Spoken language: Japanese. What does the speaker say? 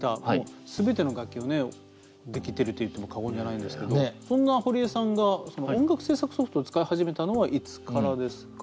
全ての楽器をできてるといっても過言じゃないんですけどそんな堀江さんが音楽制作ソフトを使い始めたのはいつからですか？